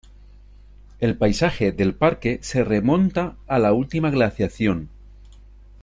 El paisaje del parque se remonta a la última glaciación.